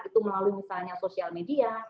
itu melalui misalnya sosial media